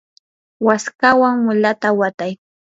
waskawan mulata watay.